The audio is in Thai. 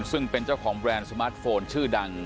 ซึ่งเป็นเจ้าของแบรนด์สมาร์ทโฟนชื่อดัง